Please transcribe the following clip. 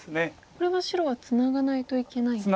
これは白はツナがないといけないんですか？